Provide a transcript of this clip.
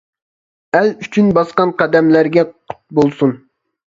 ئەل ئۈچۈن باسقان قەدەملەرگە قۇت بولسۇن.